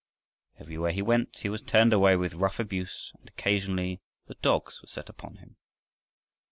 Everywhere he went he was turned away with rough abuse, and occasionally the dogs were set upon him.